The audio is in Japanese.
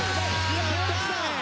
やった！